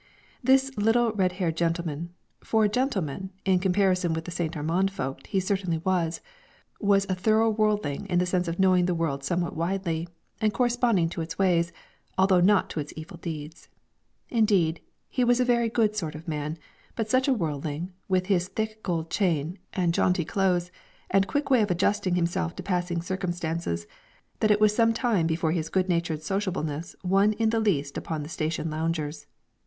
This little red haired gentleman for gentleman, in comparison with the St. Armand folk he certainly was was a thorough worldling in the sense of knowing the world somewhat widely, and corresponding to its ways, although not to its evil deeds. Indeed, he was a very good sort of man, but such a worldling, with his thick gold chain, and jaunty clothes, and quick way of adjusting himself to passing circumstances, that it was some time before his good natured sociableness won in the least upon the station loungers.